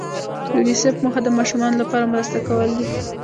د یونیسف موخه د ماشومانو لپاره مرسته کول دي.